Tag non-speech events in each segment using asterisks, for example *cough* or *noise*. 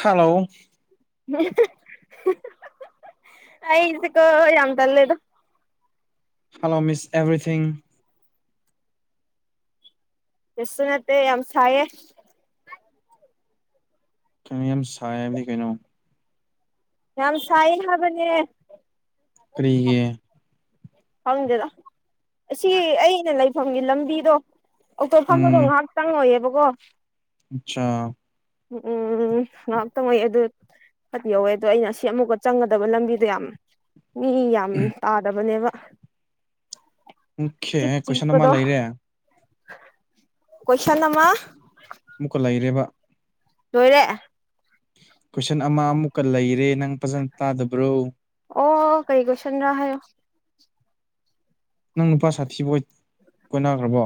hello ꯑꯩꯁꯤ ꯀ ꯌꯥꯝꯝ ꯇꯜꯂꯦꯗ ꯍꯜꯂꯣ ꯃꯤꯁ ꯑꯦꯕ꯭ꯔꯤꯊꯤꯡ ꯌꯦꯁ ꯅꯠꯇꯦ ꯌꯥꯝ ꯁꯥꯏꯦ ꯀꯩꯅꯣ ꯌꯥꯝ ꯁꯥꯏ ꯍꯥꯏꯕꯗꯤ ꯀꯩꯅꯣ ꯌꯥꯝꯌꯥꯝ ꯁꯥꯏ ꯍꯥꯕꯅꯦ ꯀꯔꯤꯒꯤ ꯐꯪꯗꯦꯗ ꯑꯁꯤ ꯑꯩꯅ ꯂꯩꯐꯝꯒꯤ ꯂꯝꯕꯤꯗꯣ ꯑꯩꯈꯣꯏꯐꯝꯗꯣ ꯉꯥꯏꯍꯥꯛ ꯆꯪꯉꯣꯏꯌꯦꯕꯀꯣ ꯑꯆꯥ ꯎꯝ ꯎꯝ ꯉꯥꯛꯇꯪꯉꯣꯏ ꯑꯗꯨ ꯐ ꯌꯧꯋꯦ ꯑꯗꯣ ꯑꯩꯅ ꯁꯤ ꯑꯃꯨꯛꯀ ꯆꯪꯒꯗꯕ ꯂꯝꯕꯤꯗꯣ ꯌꯥꯝ ꯃꯤ ꯌꯥꯝ ꯇꯥꯗꯕꯅꯦꯕ ꯑꯣꯀꯦ ꯀꯣꯏꯁꯟ ꯑꯃ ꯂꯩꯔꯦ ꯀꯣꯏꯁꯥꯟꯗꯃ ꯑꯃꯨꯛꯀ ꯂꯩꯔꯦꯕ ꯇꯣꯏꯔꯦ ꯀꯣꯏꯁꯟ ꯑꯃ ꯑꯃꯨꯛꯀ ꯂꯩꯔꯦ ꯅꯪ ꯐꯖꯅ ꯇꯥꯗꯕ꯭ꯔꯣ ꯑꯣ ꯀꯩ ꯀ꯭ꯋꯁꯟ ꯔ ꯍꯥꯏꯣ ꯅꯪ ꯅꯨꯄꯥ ꯁꯥꯊꯤꯕꯨ ꯀꯣꯏꯅꯈ꯭ꯔꯕꯣ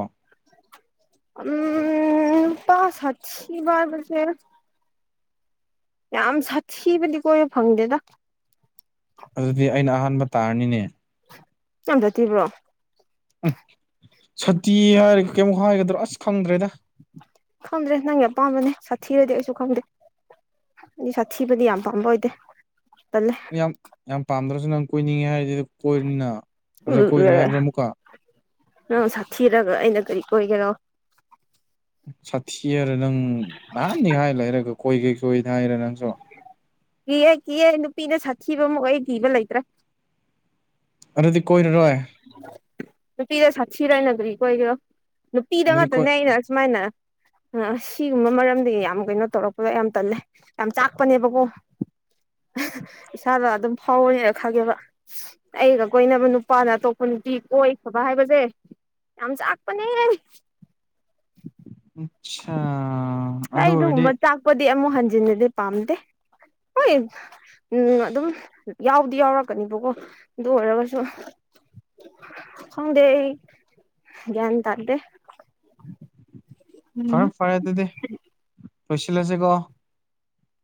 ꯎꯝ ꯄꯁ ꯍꯥꯠꯁꯤ ꯔꯕꯁꯔ ꯌꯥꯝ ꯁꯥꯊꯤꯕꯗꯤ ꯀꯣꯏꯕ ꯐꯪꯗꯦꯗ ꯑꯗꯨꯗꯤ ꯑꯩꯅ ꯑꯍꯥꯟꯕ ꯇꯥꯔꯅꯤꯅꯦ ꯌꯥꯝꯪꯕ꯭ꯔ ꯊꯤꯕ꯭ꯔꯣ ꯎꯝ ꯁꯇꯤ ꯍꯥꯏꯔꯒ ꯀꯩꯃꯨꯛ ꯍꯥꯏꯒꯗ꯭ꯔꯣ ꯑꯁ ꯈꯪꯗ꯭ꯔꯦꯗ ꯈꯪꯗ꯭ꯔꯦ ꯅꯪꯒꯤ ꯑꯄꯥꯝꯕꯅꯦ ꯁꯥꯊꯤꯔꯗꯤ ꯑꯩꯁꯨ ꯈꯪꯗꯦ ꯑꯗꯨꯗꯤ ꯁꯥꯊꯤꯕꯗꯤ ꯌꯥꯝ ꯄꯥꯝꯕ ꯑꯣꯏꯗꯦ ꯇꯜꯂꯦ ꯌꯥꯝ ꯌꯥꯝ ꯄꯥꯝꯗ꯭ꯔꯁꯨ ꯅꯪ ꯀꯣꯏꯅꯤꯡꯉꯦ ꯍꯥꯏꯔꯗꯤ ꯀꯣꯏꯔꯤꯅ ꯑꯗꯨꯗ ꯀꯣꯏꯔꯣꯏ ꯍꯥꯏꯕ꯭ꯔꯥ ꯑꯃꯨꯛꯀ ꯑ ꯁꯥꯊꯤꯔꯒ ꯑꯩꯅ ꯀꯔꯤ ꯀꯣꯏꯒꯦꯔ ꯁꯥꯊꯤ ꯍꯥꯏꯔ ꯅꯪ ꯅꯍꯥꯟꯅꯤ ꯍꯥꯏꯔ ꯂꯩꯔꯒ ꯀꯣꯏꯈꯩ ꯀꯣꯏꯗ ꯍꯥꯏꯔꯦ ꯅꯪ ꯀꯤꯍꯦ ꯀꯤꯍꯦ ꯅꯨꯄꯤꯅ ꯁꯥꯊꯤꯕ ꯑꯃ ꯑꯩ ꯊꯤꯕ ꯂꯩꯇ꯭ꯔꯥ ꯑꯗꯨꯗꯤ ꯀꯣꯏꯅꯔꯣꯏ ꯅꯨꯄꯤꯤꯗ ꯁꯥꯈꯤꯤ ꯔꯅ ꯇꯔꯤꯀ ꯑꯣꯏꯒꯗ ꯄꯤꯔ ꯃꯥ ꯑꯗꯨꯗꯤ ꯀꯣꯏ ꯃꯇꯝ ꯅꯏꯅꯁꯃꯥꯏꯅ ꯑ ꯁꯤꯒꯨꯝꯕ ꯃꯔꯝꯗꯤ ꯌꯥꯝ ꯀꯩꯅꯣ ꯇꯧꯔꯛꯄꯗ ꯌꯥꯝ ꯇꯜꯂꯦ ꯌꯥꯝ ꯆꯥꯛꯄꯅꯦꯕꯀꯣ ꯏꯁꯥꯗ ꯑꯗꯨꯝ ꯐꯥꯎꯔꯅꯦꯅ ꯈꯪꯒꯦꯕ ꯑꯩꯒ ꯀꯣꯏꯅꯕ ꯅꯨꯄꯥꯅ ꯍ ꯅꯨꯡꯇꯤ ꯀ ꯐꯕ ꯍꯥꯏꯕꯁꯦ ꯌꯥꯝ ꯆꯥꯛꯄꯅꯦ ꯑꯆꯥ ꯑꯩ ꯑꯗꯨꯒꯨꯝꯕ ꯆꯥꯛꯄꯗꯤ ꯑꯃꯨꯛ ꯍꯟꯖꯤꯟꯟꯅꯗꯤ ꯄꯥꯝꯗꯦ ꯍꯣꯏ ꯎꯝ ꯑꯗꯨꯝ ꯌꯥꯎꯗꯤ ꯌꯥꯎꯔꯛꯀꯅꯤꯕꯀꯣ ꯑꯗꯨ ꯑꯣꯏꯔꯒꯁꯨ ꯍꯗꯦ ꯟ ꯇꯗꯦ *unintelligible* ꯐꯔꯦ ꯐꯔꯦ ꯑꯗꯨꯗꯤ ꯄꯩꯂꯁꯦ ꯀꯣ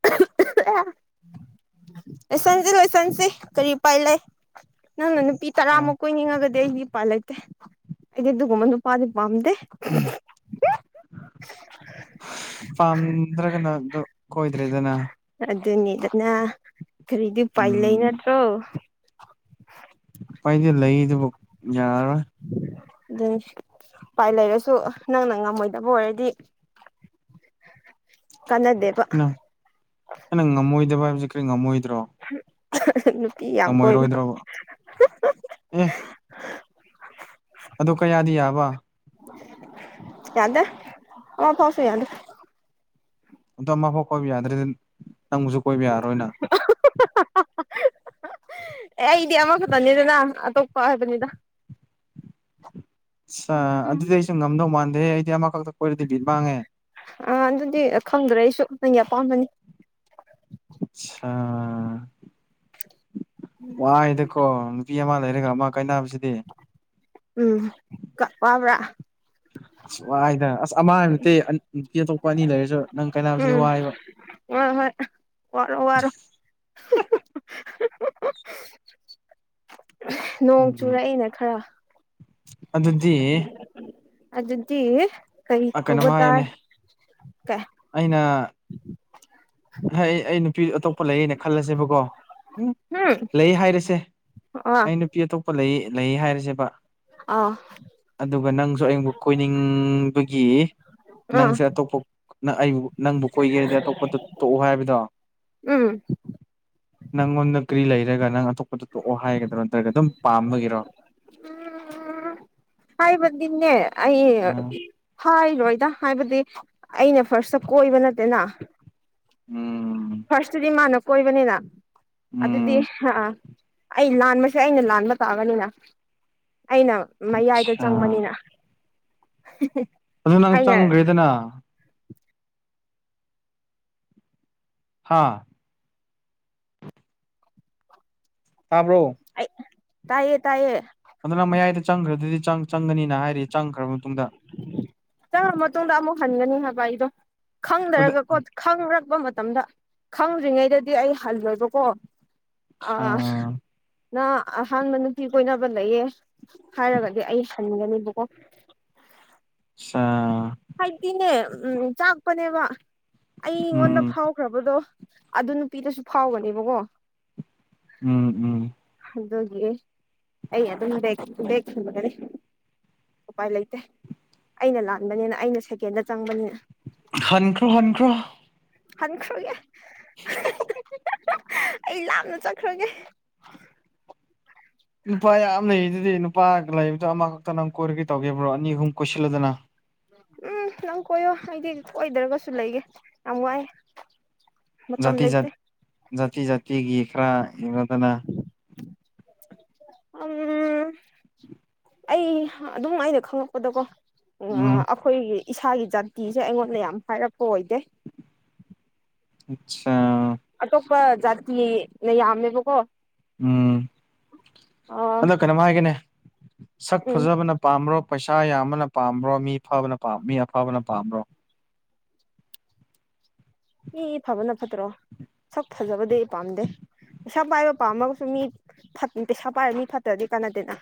*unintelligible* ꯂꯣꯏꯁꯟꯁ ꯂꯣꯏꯁꯟꯁꯤ ꯀꯔꯤ ꯎꯄꯥꯏ ꯂꯩ ꯅꯪꯅ ꯅꯨꯄꯤ ꯇꯔꯥꯃꯨꯛ ꯀꯣꯏꯅꯤꯡꯉꯒꯗꯤ ꯑꯩꯗꯤ ꯏꯄꯥ ꯂꯩꯇꯦ ꯑꯩꯗꯤ ꯑꯗꯨꯒꯨꯝꯕ ꯅꯨꯄꯥꯗꯤ ꯄꯥꯝꯗꯦ ꯄꯥꯝꯗ꯭ꯔꯒꯅꯗꯣ ꯀꯣꯏꯗ꯭ꯔꯦꯗꯅ ꯑꯗꯨꯅꯤꯗꯅ ꯀꯔꯤꯗꯤ ꯄꯥꯏ ꯂꯩ ꯎꯝ ꯅꯠꯇ꯭ꯔꯣ ꯄꯥꯏꯗꯤ ꯂꯩꯗꯨꯕꯨ ꯌꯥꯔꯕ ꯑꯗꯨꯅ ꯎꯄꯥꯏ ꯂꯩꯔꯁꯨ ꯅꯪꯅ ꯉꯝꯃꯣꯏꯗꯕ ꯑꯣꯏꯔꯗꯤ ꯀꯥꯟꯅꯗꯦꯕ ꯅ ꯉꯃꯣꯏꯗꯕꯕꯁꯤ ꯀ ꯉꯝꯃꯣꯏꯗ꯭ꯔꯣ *unintelligible* ꯀꯣꯏꯕ ꯉꯝꯃꯣꯏꯔꯣꯏꯗ꯭ꯔꯕ ꯑꯦ ꯑꯗꯨ ꯀꯌꯥꯗꯤ ꯌꯥꯕ ꯌꯥꯗ ꯑ ꯐꯥꯎꯁꯨ ꯌꯥꯗ ꯑꯣ ꯑꯃꯐꯥꯎ ꯀꯣꯏꯕ ꯌꯥꯗ꯭ꯔꯦꯗꯤ ꯅꯪꯕꯨꯁꯨ ꯀꯣꯏꯕ ꯌꯥꯔꯔꯣꯏꯅ ꯑꯦ ꯑꯩꯗꯤ ꯑꯃꯈꯛꯇꯅꯤꯗꯅ ꯑꯇꯣꯞꯄ ꯍꯥꯏꯕꯅꯤꯗ ꯍꯦꯗꯤ ꯑꯃ ꯑꯥ ꯑꯗꯨꯗꯤ ꯈꯪꯗ꯭ꯔꯦ ꯑꯩꯁꯨꯇꯪꯒꯤ ꯑꯄꯥꯝꯕꯅꯤ ꯑ ꯋꯥꯥꯏꯗꯀꯣ ꯅꯨꯄꯤ ꯂꯩꯔꯒ ꯑꯃ ꯀꯥꯏꯕꯁꯤꯗꯤ ꯎꯝ ꯀ ꯄꯥꯕ꯭ꯔꯥ ꯑꯁ ꯋꯥꯏꯗꯅ ꯑꯁ ꯑꯃꯕ ꯅꯠꯇꯦ ꯅꯨꯄꯤ ꯑꯇꯣꯞꯄ ꯑꯅꯤ ꯂꯩꯔꯁꯨ ꯅꯪ ꯀꯥꯏꯅꯕꯁꯤꯗꯤ ꯎꯝ ꯋꯥꯏꯕ ꯍ ꯍꯣꯏ ꯋꯥꯔ ꯋꯥꯔ ꯅꯣꯡ ꯎꯝ ꯆꯨꯔꯛꯏꯅ ꯈꯔ ꯑꯗꯨꯗꯤ ꯑꯗꯨꯗꯤ ꯀꯩ ꯇꯧꯕ ꯀꯩꯅꯣꯝ ꯇꯥꯏ ꯍꯥꯏꯌꯣꯅꯦ ꯀꯩ ꯑꯩꯅ ꯍꯣꯏ ꯑꯩ ꯅꯨꯄꯤ ꯑꯇꯣꯞꯄ ꯂꯩꯅ ꯈꯜꯂꯁꯦꯕꯀꯣ ꯎꯝ ꯂꯩ ꯍꯥꯏꯔꯁꯦ ꯑꯥ ꯑꯩ ꯅꯨꯄꯤ ꯑꯇꯣꯞꯄ ꯂꯩ ꯂꯩ ꯍꯥꯏꯔꯁꯦꯕ ꯑꯥ ꯑꯗꯨꯒ ꯅꯪꯁꯨ ꯑꯌꯕꯨ ꯀꯣꯏꯅꯤꯡꯕꯒꯤ ꯑꯥ ꯅꯪꯁꯦ ꯑꯇꯣꯞꯄ ꯑꯩꯕꯨ ꯅꯪꯕꯨ ꯀꯣꯏꯒꯦꯔꯗꯤ ꯑꯇꯣꯞꯄꯗ ꯇꯣꯛꯑꯣ ꯍꯥꯏꯕꯗꯣ ꯎꯝ ꯅꯪꯉꯣꯟꯗ ꯀ꯭ꯔꯤ ꯂꯩꯔꯒ ꯅꯪꯑꯇꯣ ꯄꯠꯇ *inaudible* ꯇꯣꯛꯑꯣ ꯍꯥꯏꯒꯗ꯭ꯔꯣ ꯅꯠꯇ꯭ꯔꯒ ꯑꯗꯨꯝ ꯄꯥꯝꯕꯒꯤꯔꯣ ꯍꯥꯏꯕꯗꯤꯅꯦ ꯑ ꯑꯩ ꯍꯥꯏ ꯂꯣꯏꯗ ꯍꯥꯏꯕꯗꯤ ꯑꯩꯅ ꯐꯥꯔꯁꯇ ꯀꯣꯏꯕ ꯅꯠꯇꯦꯅ ꯎꯝ ꯐꯥꯔꯁꯇꯨꯗꯤ ꯃꯥꯅ ꯀꯣꯏꯕꯅꯤꯅ ꯑꯗꯨꯗꯤ ꯎꯝ ꯑ ꯑꯩ ꯂꯥꯟꯕꯁꯦ ꯑꯩꯅ ꯂꯥꯟꯕ ꯇꯥꯕꯅꯤꯅ ꯑꯩꯅ ꯃꯌꯥꯏꯗ ꯑꯠꯁꯥ ꯆꯪꯕꯅꯤꯅ *unintelligible* ꯑꯗꯨ ꯅꯪ ꯑꯩꯅ ꯆꯪꯒ꯭ꯔꯦꯗꯅ ꯍꯥꯥ ꯇꯥꯕ꯭ꯔꯣ ꯑꯩ ꯇꯥꯏꯌꯦ ꯇꯥꯏꯌꯦ ꯑꯗꯨ ꯅꯪ ꯃꯌꯥꯏꯗ ꯆꯪꯈ꯭ꯔꯗꯨꯗꯤ ꯆꯪꯒꯅꯤꯅ ꯍꯥꯏꯔ ꯆꯪꯈ꯭ꯔꯕ ꯃꯇꯨꯡꯗ ꯆꯪꯉ ꯃꯇꯨꯡꯗ ꯑꯃꯨꯛ ꯍꯟꯒꯅꯤ ꯍꯥꯏꯕ ꯑꯩꯗꯣ ꯑꯗꯨꯗ ꯈꯪꯗꯔꯒꯣ ꯈꯪꯔ ꯆꯄ ꯃꯇꯝꯗ ꯈꯪꯗ꯭ꯔꯤꯉꯩꯗꯗꯤ ꯑꯩ ꯍꯜꯂꯣꯏꯕꯀꯣ ꯑ ꯑꯆꯁꯥ ꯅ ꯑꯍꯥꯟꯕ ꯅꯨꯄꯤ ꯀꯣꯏꯅꯕ ꯂꯩꯌꯦ ꯍꯥꯏꯔꯒꯗꯤ ꯑꯩ ꯒꯅꯤꯕꯀꯣ ꯍꯥꯏꯗꯤꯅꯦ ꯎꯝ ꯆꯥꯛꯄꯅꯦꯕ ꯑꯩꯉꯣꯟꯗ ꯐꯥꯎꯈ꯭ꯔꯕꯗꯣ ꯑꯗꯨ ꯅꯨꯄꯤꯗꯁꯨ ꯐꯥꯎꯒꯅꯦꯕꯀꯣ ꯎꯝ ꯎꯝ ꯦ ꯑꯗꯨꯝꯔꯦ ꯎꯄꯥꯏ ꯂꯩꯇꯦ ꯑꯩꯅ ꯂꯥꯟꯕꯅꯤꯅ ꯑꯩꯅ ꯁꯦꯀꯦꯟꯗ ꯆꯪꯕꯅꯤꯅ ꯍꯟꯈ꯭ꯔꯣ ꯍꯟꯈ꯭ꯔꯣ ꯍꯈ꯭ꯔꯣꯌꯦ *unintelligible* ꯑꯩ ꯂꯥꯞꯅ ꯆꯠꯈ꯭ꯔꯒꯦ ꯅꯨꯄꯥ ꯌꯥꯝ ꯂꯩ ꯗꯨꯗꯤ ꯅꯨꯄꯥ ꯂꯩꯕꯗꯣ ꯑꯃꯈꯛꯇ ꯅꯪ ꯀꯣꯏꯔꯒꯦ ꯇꯧꯒꯦꯕ꯭ꯔꯣ ꯑꯅꯤ ꯑꯍꯨꯝ ꯀꯣꯏꯁꯤꯜꯂꯗꯅ ꯎꯝ ꯅꯪ ꯀꯣꯏꯌꯣ ꯑꯩꯗꯤ ꯀꯣꯏꯗ꯭ꯔꯒꯁꯨ ꯂꯩꯒꯦ ꯌꯥꯝ ꯋꯥꯏ ꯃꯇꯝꯝ ꯖꯥꯇꯤ ꯖꯥ ꯂꯩꯇꯦ ꯖꯥꯇꯤ ꯖꯥꯇꯤꯒꯤ ꯈꯔ ꯌꯦꯡꯅꯗꯅ ꯎꯝ ꯑꯩ ꯑꯗꯨꯝ ꯑꯩꯅ ꯈꯪꯉꯛꯄꯗꯀꯣ ꯎ ꯎꯝ ꯑꯩꯈꯣꯏꯒꯤ ꯏꯁꯥꯒꯤ ꯖꯥꯇꯤꯁꯦ ꯑꯩꯉꯣꯟꯗ ꯌꯥꯝ ꯍꯥꯏꯔꯛꯄ ꯑꯣꯏꯗꯦ ꯑ *unintelligible* *inaudible* ꯆꯤ ꯅ ꯌꯥꯝꯝꯃꯦꯕ ꯀꯣ ꯎꯝ ꯑꯗꯣ ꯀꯩꯅꯣꯝ ꯍꯥꯏꯒꯦꯅꯦ ꯁꯛ ꯎꯝ ꯐꯖꯕꯅ ꯄꯥꯝ꯭ꯕꯔꯣ ꯄꯩꯁꯥ ꯌꯥꯝꯕꯅ ꯄꯥꯝꯕ꯭ꯔꯣ ꯃꯤ ꯐꯕꯅ ꯄꯥ ꯃꯤ ꯑꯐꯕꯅ ꯄꯥꯝꯕ꯭ꯔꯣ ꯃꯤ ꯐꯕꯅ ꯐꯠꯇ꯭ꯔꯣ ꯁꯛ ꯐꯖꯕꯗꯤ ꯄꯥꯝꯗꯦ ꯄꯩꯁꯥ ꯄꯥꯏꯕ ꯄꯥꯝꯃꯒꯁꯨ ꯃꯤ ꯄꯩꯁꯥ ꯄꯥꯏꯔ ꯃꯤ ꯐꯠꯇ꯭ꯔꯗꯤ ꯀꯥꯟꯅꯗꯦꯅ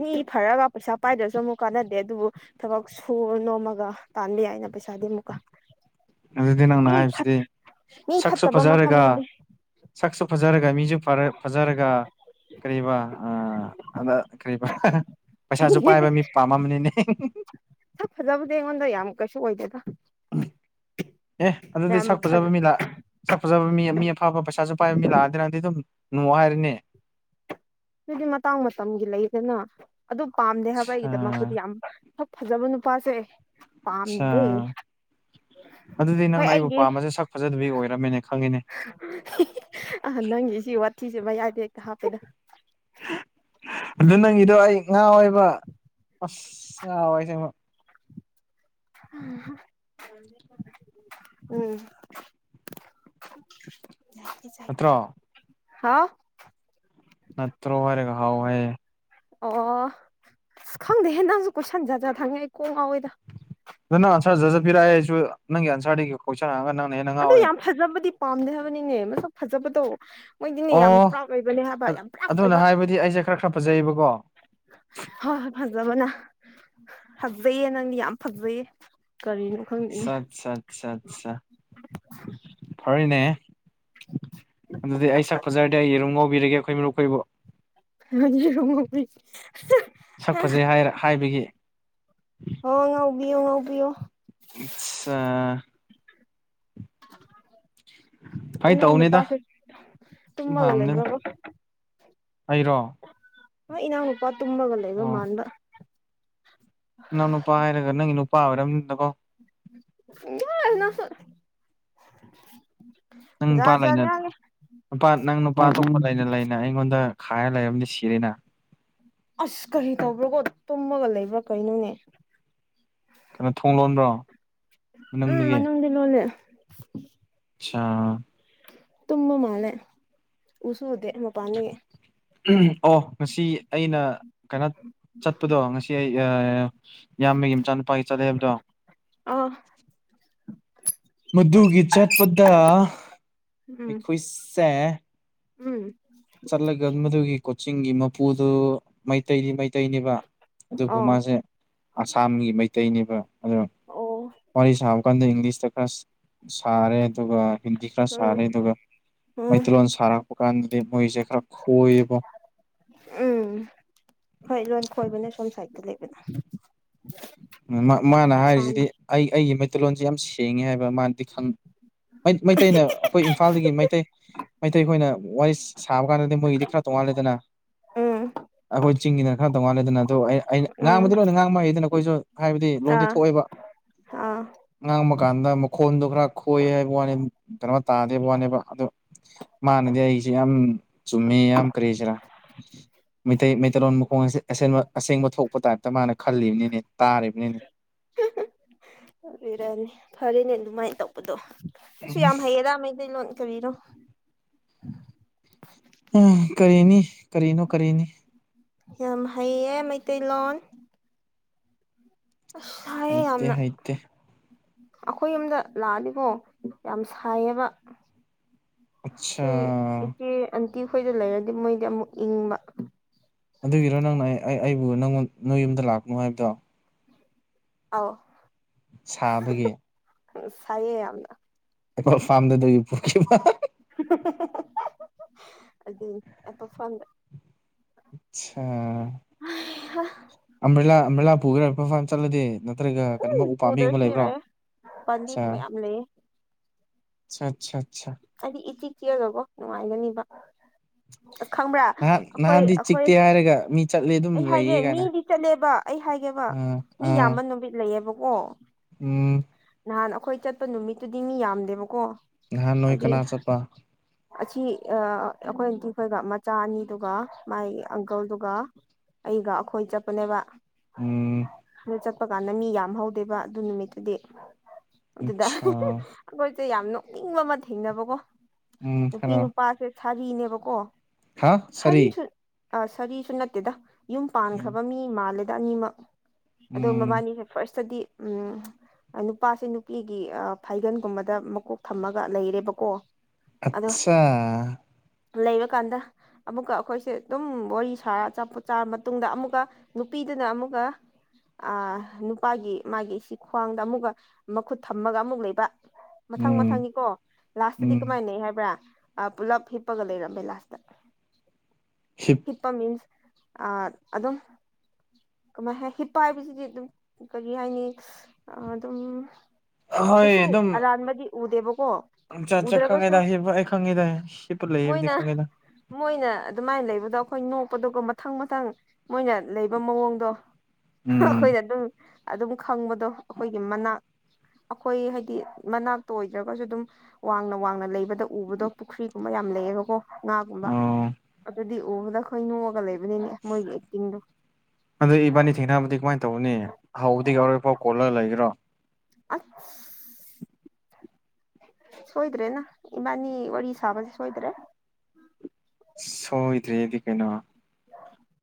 ꯃꯤ ꯐ ꯔꯒ ꯄꯩꯁꯥ ꯄꯥꯏꯗ꯭ꯔꯁꯨ ꯑꯃꯨꯛ ꯀꯥꯟꯅꯗꯦ ꯑꯗꯨꯕꯨ ꯊꯕꯛ ꯁꯨꯔ ꯅꯣꯝꯃꯒ ꯇꯥꯟꯕ ꯌꯥꯏ ꯑꯅ ꯄꯩꯁꯥꯗꯤ ꯑꯃꯨꯛꯀ *inaudible* ꯑꯗꯨꯗꯤ ꯅꯪꯅ ꯃꯤ ꯐꯠ ꯍꯥꯏꯕꯁꯤꯗꯤ ꯃꯤ ꯁꯛꯁꯨ ꯐꯠꯇꯕ ꯐꯖꯔꯒ ꯃꯐꯝꯗꯨꯗꯤ ꯁꯛꯁꯨ ꯐꯖꯔ ꯐꯔꯒ ꯐꯖꯔꯒ ꯀꯔꯤꯕ ꯑ ꯑꯉꯛ ꯀꯔꯤꯕ ꯄꯩꯁꯥꯁꯨ ꯄꯥꯏꯕ ꯃꯤ ꯄꯥꯝꯃꯝꯅꯤꯅꯦ ꯆꯞ ꯐꯖꯕꯗ ꯌꯦꯡꯉꯣꯟꯗ꯭ꯔ ꯌꯥꯝꯃ ꯀꯩꯁꯨ ꯑꯣꯏꯣꯏꯗꯦꯗ *unintelligible* ꯑꯦ ꯑꯗꯨꯗꯤ ꯁꯛ ꯐꯖ ꯐꯖꯕ ꯃꯤ ꯂ ꯁꯛ ꯐꯖꯕ ꯃꯤ ꯃꯤ ꯑꯐꯥꯕ ꯄꯩꯁꯥꯁꯨ ꯄꯥꯏꯕ ꯃꯤ ꯂꯥꯛ ꯑꯗꯤ ꯅꯪꯗꯤ ꯑꯗꯨꯝ ꯅꯨꯡꯉꯔꯅꯤ ꯑꯗꯨꯗꯤ ꯃꯇꯥꯡ ꯃꯇꯝꯒꯤ ꯂꯩꯗꯅ ꯑꯗꯨ ꯄꯥꯝꯗꯦ ꯍꯥꯏꯕ ꯁꯥ ꯑꯩꯒꯤꯗꯃꯛꯇꯨꯗꯤ ꯌꯥꯝ ꯐꯖꯕ ꯅꯨꯄꯥꯁꯦ ꯁꯥ ꯄꯥꯝꯗꯦ ꯑꯗꯨꯗꯤ ꯍꯣꯏ ꯅꯪꯅ ꯑꯩꯕꯨ ꯑꯩꯒꯤ ꯄꯥꯝꯕꯁꯦ ꯁꯛ ꯐꯖꯗꯕꯤ ꯑꯣꯏꯔꯝꯃꯦꯅꯦ ꯈꯪꯡ ꯑ ꯅꯪꯒꯤ ꯁꯤ ꯋꯥꯊꯤꯁꯦ ꯃꯌꯥꯏꯗꯩꯩ ꯍꯥꯞꯄꯦꯗ ꯑꯗꯨ ꯅꯪꯒꯤꯗꯣ ꯑꯩ ꯉꯥꯎ ꯋꯦꯕ ꯑꯁ ꯉꯥꯎꯑꯦ ꯑꯁꯦꯡꯕ ꯎꯝ ꯅꯠꯇ꯭ꯔꯣ ꯍꯥ ꯅꯠꯇ꯭ꯔꯣ ꯍꯥꯏꯔꯒ ꯍꯥꯎ ꯍꯥꯏ ꯑꯣ ꯑꯁ ꯈꯪꯗꯦ ꯍꯦꯟ ꯅꯪꯁꯨ ꯀꯣꯏꯁꯟꯖꯠꯖꯥ ꯍꯪꯉꯦ ꯀꯣꯛ ꯉꯥꯎꯋꯤꯗ ꯅ ꯎꯟꯁꯔ ꯖꯠ ꯖꯠ ꯄꯤꯔꯛ ꯑ ꯑꯩꯁꯨ ꯅꯪꯒꯤ ꯑꯟꯁꯔꯗꯒꯤ ꯀꯣꯏꯁꯟꯑꯒ ꯅꯪꯅ ꯍꯦꯟꯅ ꯑꯗꯨ ꯉꯥꯎꯋꯦ ꯌꯥꯝ ꯐꯖꯕꯗꯤ ꯄꯥꯝꯗꯦ ꯍꯥꯏꯕꯅꯤꯅꯦ ꯃꯁꯛ ꯐꯖꯕꯗꯣ ꯃꯣꯏꯗꯤꯅꯦ ꯌꯥꯝ ꯑꯣ ꯄ꯭ꯔꯥꯎꯠ ꯑꯣꯏꯕꯅꯦ ꯍꯥꯏꯕ ꯌꯥꯝ ꯑꯗꯨꯅ ꯍꯥꯏꯕꯗꯤ ꯑꯩꯁꯦ ꯈꯔ ꯈꯔ ꯐꯖꯩꯌꯦꯕ ꯍ ꯐꯖꯕꯅ ꯍꯠꯍꯩꯌꯦ ꯅꯪꯗꯤ ꯌꯥꯝ ꯐꯠꯍꯩꯌꯦ ꯀꯔꯤꯅꯣ ꯈꯪꯗꯦꯅꯦ ꯑꯠꯆꯥ ꯑꯠꯆꯥ ꯑꯠꯆꯥ ꯐꯔꯤꯅꯦ ꯑꯗꯨꯗꯤ ꯑꯩ ꯁꯛ ꯐꯖꯔꯗꯤ ꯑꯩ ꯌꯦꯔꯨꯝꯒꯧ *unintelligible* *unintelligible* ꯁꯛ ꯐꯖꯩ ꯍꯥꯏꯔ ꯍꯥꯏꯕꯒꯤ ꯑꯣ ꯉꯥꯎꯕꯤꯌꯣ ꯉꯥꯎꯕꯤꯌꯣ ꯑꯆꯥ ꯐꯥꯒꯤ ꯏ ꯅꯥꯎ ꯇꯧꯕꯅꯤꯗ ꯅꯨꯄꯥꯁꯦ ꯁꯨꯝ ꯇꯨꯝꯃꯒ ꯍꯥꯡꯕꯅꯤꯗ ꯂꯩꯒꯔꯕ ꯑꯩꯔꯣ ꯏꯅꯥꯎ ꯅꯨꯄꯥ ꯇꯃꯒ ꯂꯩꯏꯕ ꯃꯥꯟꯕ ꯅꯥꯎ ꯅꯨꯄꯥ ꯍꯥꯏꯔꯒ ꯅꯪ ꯅꯨꯄꯥ ꯑꯣꯏꯔꯝꯅꯤꯅꯀꯣ ꯌꯥꯔ ꯅꯪꯁꯨ ꯅꯪ ꯅꯨꯄꯥ ꯖꯥꯠ ꯖꯥꯠ ꯂꯩꯅ ꯉꯥꯡꯉꯦ ꯅꯨꯄꯥ ꯅꯪ ꯅꯨꯄꯥ ꯑꯇꯣꯞꯄ ꯂꯩꯅ ꯂꯩꯅ ꯑꯩꯉꯣꯟꯗ ꯈꯥꯏ ꯂꯩꯔꯝꯗꯤ ꯁꯤꯔꯦꯅ ꯑꯁ ꯀꯔꯤ ꯇꯧꯕ꯭ꯔꯀꯣ ꯇꯨꯝꯃꯒ ꯂꯩꯕ꯭ꯔꯥ ꯀꯩꯅꯣꯅꯦ ꯀꯩꯅꯣ ꯊꯣꯡ ꯂꯣꯟꯕ꯭ꯔꯣ ꯎꯝ ꯃꯅꯨꯡꯗꯒꯤ ꯃꯅꯨꯡꯗ ꯂꯣꯂꯦ ꯁꯥ ꯇꯨꯝꯃ ꯃꯥꯂꯦ ꯎꯁꯨ ꯎꯗꯦ ꯃꯄꯥꯟꯅꯒꯤ ꯑꯣ ꯉꯁꯤ ꯑꯩꯅ ꯀꯩꯅꯣ ꯆꯠꯄꯗꯣ ꯉꯁꯤ ꯑꯩ ꯑ ꯏꯌꯥꯝꯕꯒꯤ ꯃꯆꯥꯅꯨꯄꯥꯒꯤ ꯆꯠꯂꯦꯕꯗꯣ ꯑ ꯃꯗꯨꯒꯤ ꯆꯠꯄꯗ ꯎꯝ ꯑꯩꯈꯣꯏꯁꯦ ꯎꯝ ꯆꯠꯂꯒ ꯃꯗꯨꯒꯤ ꯀꯣꯆꯤꯡꯒꯤ ꯃꯄꯨꯗꯨ ꯃꯩꯇꯩꯗꯤ ꯃꯩꯇꯩ ꯃꯩꯇꯩꯅꯦꯕ ꯑꯗꯨꯕꯨ ꯑꯥ ꯃꯥꯁꯦ ꯑꯁꯥꯝꯒꯤ ꯃꯩꯇꯩꯅꯦꯕ ꯑꯗꯣ ꯑꯣ ꯋꯥꯔꯤ ꯁꯥꯕ ꯀꯥꯟꯗ ꯏꯪꯂꯤꯁꯇ ꯈꯔ ꯁꯥꯔꯦ ꯑꯗꯨꯒ ꯍꯤꯟꯗꯤ ꯈꯔ ꯎꯝ ꯁꯥꯔ ꯑꯗꯨꯒ ꯎꯝ ꯃꯩꯇꯩꯂꯣꯟ ꯁꯥꯔꯛꯄ ꯀꯥꯟꯗꯗꯤ ꯈꯣꯏꯕ ꯎꯝ ꯍꯣꯏ ꯂꯣꯟ ꯈꯣꯏꯕꯅ ꯁꯣꯝ ꯁꯥꯏꯗꯠꯇ ꯂꯩꯕꯅ ꯃꯥꯅ ꯍꯥꯏꯔꯤꯁꯤꯗꯤ ꯑꯁꯥꯝꯅ ꯑꯩ ꯑꯩꯒꯤ ꯃꯩꯇꯩꯂꯣꯟꯁꯤ ꯌꯥꯝ ꯁꯦꯡꯉꯦ ꯍꯥꯏꯕ ꯃꯥꯅꯗꯤ ꯃꯩꯇꯩꯅ ꯑꯩꯈꯣꯏ ꯏꯝꯐꯥꯜꯗꯒꯤ ꯃꯩꯇꯩ ꯃꯩꯇꯩꯈꯣꯏꯅ ꯋꯥꯔꯤ ꯁꯥꯕ ꯀꯥꯟꯗꯗꯤ ꯃꯣꯏꯒꯤꯗꯤ ꯈꯔ ꯇꯣꯡꯉ ꯂꯦꯗꯅ ꯎ ꯑꯩꯈꯣꯏ ꯆꯤꯡꯒꯤꯗꯅ ꯈꯔ ꯇꯧꯉꯥꯟꯜꯂꯦꯗꯅ ꯑꯗꯨ ꯑꯩꯅ ꯎꯝ ꯉꯥꯡꯕꯗꯤ ꯂꯣꯏꯅ ꯉꯥꯡꯕ ꯍꯩ ꯑꯗꯨꯅ ꯑꯩꯈꯣꯏꯁꯨ ꯍꯥꯏꯕꯗꯤ ꯂꯣꯟꯗꯤ ꯑꯥ ꯊꯣꯛꯑꯦꯕ ꯑꯥ ꯉꯥꯡꯕ ꯀꯥꯟꯗ ꯃꯈꯣꯟꯗꯣ ꯈꯔ ꯈꯣꯏ ꯍꯥꯏꯕ ꯋꯥꯅꯤ ꯀꯩꯅꯣ ꯇꯥꯗꯦꯕ ꯋꯥꯅꯦꯕ ꯑꯗꯣ ꯃꯥꯅꯗꯤ ꯑꯩꯁꯦ ꯌꯥꯝ ꯆꯨꯝꯃꯦ ꯌꯥꯝ ꯀ꯭ꯔꯦꯁꯤꯔꯥ ꯃꯩꯇꯩꯩ ꯇꯦꯔꯣꯟ ꯃꯈꯣꯡ ꯑꯁꯤ ꯑꯁꯕ ꯑꯁꯦꯡꯕ ꯊꯣꯛꯄ ꯇꯥꯏꯞꯇ ꯃꯥꯅ ꯈꯜꯂꯤꯕꯅꯤꯅꯦ ꯇꯥꯔꯤꯕꯅꯤꯅꯦ ꯑꯣꯏꯔꯅꯤ ꯐꯔꯦꯅꯦ ꯑꯗꯨꯃꯥꯏꯅ ꯇꯧꯕꯗꯣ ꯁꯁꯨ ꯌꯥꯝ ꯍꯩꯌꯦꯗ ꯃꯗꯤ ꯂꯣ ꯀꯕꯤꯔꯣ ꯎ ꯀꯔꯤꯅꯤ ꯀꯔꯤꯅꯣ ꯀꯔꯤꯅꯤ ꯌꯥꯝ ꯍꯩꯌꯦ ꯃꯩꯇꯩꯂꯣꯟ ꯑꯁꯌꯦ ꯍꯩꯇꯦ ꯌꯥꯝꯅ ꯍꯩꯇꯦ ꯑꯩꯈꯣꯏ ꯌꯨꯝꯗ ꯂꯥꯛꯑꯅꯤꯕꯣ ꯌꯥꯝ ꯁꯥꯏꯌꯦꯕ ꯑꯠꯁꯥ ꯁꯤ ꯏꯆꯦ ꯑꯟꯇꯤ ꯈꯣꯏꯗ ꯂꯩꯔꯗꯤ ꯃꯣꯏꯗꯤ ꯑꯃꯨꯛ ꯏꯪꯕ ꯑꯗꯨꯒꯤꯔꯣ ꯅꯪꯅ ꯑꯩꯕꯨ ꯅꯪꯉꯣꯟ ꯅꯣꯏ ꯌꯨꯝꯗ ꯂꯥꯛꯄꯅꯣ ꯍꯥꯏꯕꯗꯣ ꯑ ꯁꯥꯕꯒꯤ ꯁꯥꯏꯌꯦ ꯌꯥꯝꯅ ꯑꯦ ꯐꯥꯗꯦꯗ ꯌ ꯄꯨꯛ ꯑꯗꯨ ꯑ ꯐꯗꯦ ꯑꯆꯥ ꯑ꯭ꯂꯥ ꯑ꯭ꯔꯤꯂꯥ ꯄꯨꯈ꯭ꯔ ꯃꯐꯝꯥ ꯆꯠꯂꯗꯤ ꯅꯠꯇ꯭ꯔꯒ ꯀꯩꯅꯣꯃ ꯎꯄꯥꯝꯕꯤꯒꯨꯝꯕ ꯆꯨꯗ꯭ꯔꯁꯨ ꯂꯩꯕ꯭ꯔꯣ ꯑ ꯌꯥꯏꯌꯦ ꯑꯆꯥ ꯄꯥꯝꯕꯤꯒꯨꯝꯕ ꯌꯥꯝ ꯂꯩꯌꯦ ꯑꯆꯥ ꯑꯆꯥ ꯍꯥꯏꯗꯤ ꯏꯇꯤ ꯀꯤꯌꯗꯧꯕꯣ ꯅꯨꯡꯉꯥꯏꯒꯅꯤꯕ *unintelligible* ꯈꯪꯕ꯭ꯔꯥ ꯅꯍꯥꯟ ꯑꯩꯈꯣꯏ ꯅꯍꯥꯟꯗꯤ ꯑꯩꯈꯣꯏ ꯆꯤꯛꯇꯦ ꯍꯥꯏꯔꯒ ꯃꯤ ꯆꯠꯂꯦ ꯑꯗꯨꯝ ꯑꯩ ꯍꯥꯏꯒꯦ ꯂꯩꯌꯦ ꯀꯥꯏꯅ ꯃꯤꯗꯤ ꯆꯠꯂꯦꯕ ꯑꯩ ꯍꯥꯏꯒꯦꯕ ꯑꯥ ꯃꯤ ꯑꯥ ꯌꯥꯝꯕ ꯅꯨꯃꯤꯠ ꯂꯩꯌꯦꯕ ꯎꯝ ꯅꯍꯥꯟ ꯑꯩꯈꯣꯏ ꯆꯠꯄ ꯅꯨꯃꯤꯠꯇꯨꯗꯤ ꯃꯤ ꯌꯥꯝꯗꯦꯕꯀꯣ ꯉꯍꯥꯟ ꯅꯣꯏ ꯍꯥꯏꯗꯤ ꯀꯅꯥ ꯆꯄ ꯑꯁꯤ ꯑꯩꯈꯣꯏ ꯑꯟꯇꯤꯈꯣꯏꯒ ꯃꯆꯥ ꯑꯅꯤꯗꯨꯒ ꯃꯥꯒꯤ ꯑꯪꯀꯜꯗꯨꯒ ꯑꯩꯒ ꯑꯩꯈꯣꯏ ꯆꯠꯄꯅꯦꯕ ꯎꯝ ꯑꯗꯨ ꯆꯠꯄ ꯀꯥꯟꯗ ꯃꯤ ꯌꯥꯝ ꯍꯧꯧꯗꯦꯕ ꯑꯗꯨ ꯅꯨꯃꯤꯠꯇꯨꯗꯤ ꯑꯆꯥ ꯑꯗꯨꯗꯣꯏ ꯁꯦ ꯌꯥꯝ ꯅꯣꯛꯅꯤꯡꯕ ꯑꯃ ꯊꯦꯡꯅꯕꯀꯣ ꯎꯝ ꯅꯨꯄꯤ ꯍꯥꯏꯔꯣ ꯅꯨꯄꯥꯁꯦ ꯁꯥꯔꯤꯅꯦꯕꯀꯣ ꯍꯥ ꯁꯔꯤ ꯁꯥꯔꯤꯁꯨ ꯑ ꯁꯔꯤꯁꯨ ꯅꯠꯇꯦꯗ ꯌꯨꯝ ꯎꯝ ꯄꯥꯟꯈ꯭ꯔꯕ ꯃꯤ ꯃꯥꯜꯂꯦꯗ ꯑꯅꯤꯃꯛ ꯑꯗꯣ ꯎꯝ ꯃꯕꯥꯅꯤꯁꯦ ꯐꯥꯔꯁꯇꯗꯤ ꯎꯝ ꯅꯨꯄꯥꯁꯦ ꯅꯨꯄꯤꯒꯤ ꯐꯥꯏꯒꯟꯒꯨꯝꯕꯗ ꯃꯀꯣꯛ ꯊꯝꯃꯒ ꯂꯩꯔꯦ ꯀꯣ ꯑꯠꯆꯥꯆꯥ ꯂꯩꯔꯀꯥꯟꯗ ꯑꯃꯨꯛꯀ ꯑꯩꯈꯣꯏꯁꯦ ꯑꯗꯨꯝ ꯋꯥꯔꯤ ꯁꯥꯔ ꯆꯥꯔ ꯃꯇꯨꯡꯗ ꯑꯃꯨꯛꯀ ꯅꯨꯄꯤ ꯑꯗꯨꯅ ꯑꯃꯨꯒ ꯑ ꯅꯨꯄꯥꯒꯤ ꯃꯥꯒꯤ ꯁꯤ ꯈ꯭ꯋꯥꯡꯗ ꯑꯃꯨꯛꯀ ꯃꯈꯨꯠ ꯊꯝꯃꯒ ꯑꯃꯨꯛ ꯂꯩꯕ ꯃꯊꯪ ꯎꯝ ꯃꯊꯪꯒꯤꯀꯣ ꯂꯥꯁꯇꯗꯤ ꯎꯝ ꯀꯃꯥꯏꯅꯩ ꯍꯥꯏꯕ꯭ꯔꯥ ꯄꯨꯜꯂꯞ ꯍꯤꯞꯄꯒ ꯂꯩꯔꯝꯃꯦ ꯂꯥꯁꯇ ꯍꯤꯞ ꯍꯤꯞꯄ ꯃꯤꯟꯁ ꯑ ꯑꯗꯨꯝ ꯀꯃꯥꯏ ꯍꯤꯞ ꯄꯥꯏꯕꯁꯤꯗꯤ ꯑꯗꯨꯝ ꯀꯔꯤ ꯍꯥꯏꯅꯤ ꯑꯗꯨꯝ ꯍꯣꯏ ꯀꯩꯁꯨ ꯑꯔꯥꯟꯕꯗꯤ ꯎꯗꯦꯕꯀꯣ ꯆ ꯆꯥ ꯎꯗ꯭ꯔꯒꯁꯨ ꯈꯪꯒꯦꯗ ꯍꯞ ꯑꯩ ꯈꯪꯉꯦꯗ ꯍꯄ ꯂꯩꯗꯤ ꯃꯣꯏꯅ ꯈꯪꯒꯦꯗ ꯃꯣꯏꯅ ꯑꯗꯨꯃꯥꯏꯅ ꯂꯩꯕꯗꯣ ꯑꯩꯈꯣꯏ ꯅꯣꯛꯄꯗꯨꯒ ꯃꯊꯪ ꯃꯊꯪ ꯃꯣꯏꯅ ꯂꯩꯕ ꯃꯑꯣꯡꯗꯣ ꯎꯝ ꯍꯣꯏꯗ ꯑꯗꯨꯝ ꯑꯗꯨꯝ ꯈꯪꯕꯗꯣ ꯑꯩꯈꯣꯏꯒꯤ ꯃꯅꯥꯛ ꯑꯩꯈꯣꯏ ꯍꯥꯏꯗꯤ ꯃꯅꯥꯛꯇ ꯑꯣꯏꯗ꯭ꯔꯒꯁꯨ ꯑꯗꯨꯝ ꯋꯥꯡꯅ ꯋꯥꯡꯅ ꯂꯩꯕꯗ ꯎꯕꯗꯣ ꯄꯨꯈ꯭ꯔꯤꯒꯨꯝꯕ ꯌꯥꯝ ꯂꯩꯌꯦꯕꯀꯣ ꯉꯥꯒꯨꯝꯕ ꯑꯣ ꯑꯗꯨꯗꯤ ꯎꯕꯗ ꯑꯩꯈꯣꯏ ꯅꯣꯛꯑꯒ ꯂꯩꯕꯅꯤꯅꯦ ꯃꯣꯏꯒꯤ ꯑꯦꯛꯇꯤꯡꯗꯣ ꯑꯗꯨ ꯏꯕꯥꯅꯤ ꯊꯦꯡꯅꯕꯗꯤ ꯀꯃꯥꯏꯅ ꯇꯧꯕꯅꯤ ꯍꯥꯎꯗꯤ ꯌꯥꯎꯔꯣꯏ ꯐꯣ ꯀꯣꯜꯂꯔ ꯂꯩꯈ꯭ꯔꯣ ꯑ ꯁꯣꯏꯗ꯭ꯔꯦ ꯅ ꯏꯃꯅꯤ ꯋꯥꯔꯤ ꯋꯥꯔꯤ ꯁꯥꯕꯁ ꯁꯣꯏꯗ꯭ꯔꯦ ꯁꯣꯏꯗ꯭ꯔꯔꯤꯗꯤ ꯀꯩꯅꯣ